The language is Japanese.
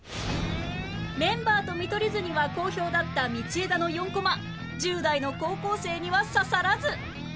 メンバーと見取り図には好評だった道枝の４コマ１０代の高校生には刺さらず